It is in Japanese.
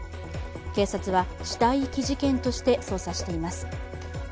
警察は死体遺棄事件として捜査しています。